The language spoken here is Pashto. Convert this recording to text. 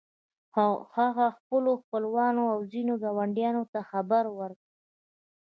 هغه خپلو خپلوانو او ځينو ګاونډيانو ته خبر ورکړ.